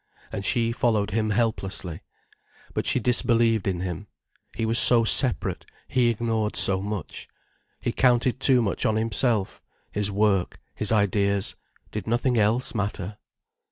And she followed him helplessly. But she disbelieved in him. He was so separate, he ignored so much. He counted too much on himself. His work, his ideas,—did nothing else matter?